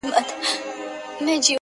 بې له سُره چي پر هر مقام ږغېږي,